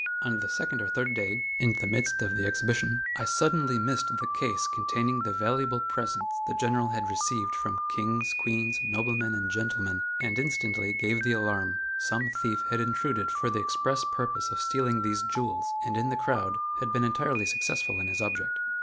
On the second or third day, in the midst of the exhibition, I suddenly missed the case containing the valuable presents the General had received from kings, queens, noblemen and gentlemen, and instantly gave the alarm; some thief had intruded for the express purpose of stealing these jewels, and, in the crowd, had been entirely successful in his object.